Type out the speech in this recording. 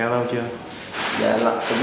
thu hai tháng